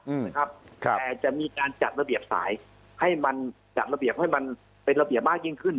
แต่จะมีการจัดระเบียบสายให้มันจัดระเบียบให้มันเป็นระเบียบมากยิ่งขึ้น